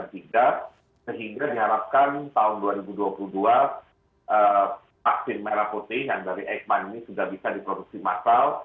sehingga diharapkan tahun dua ribu dua puluh dua vaksin merah putih yang dari eijkman ini sudah bisa diproduksi massal